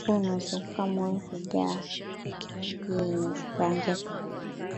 Mfuko unaozunguka moyo kujaa maji yenye rangi ya kahawia